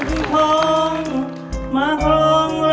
หนีต้องทำงานนั้น